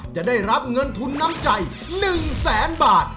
จะได้รับเงินทุนน้ำใจ๑แสนบาท